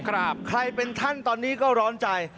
ใครเป็นท่านตอนนี้ก็ร้อนใจ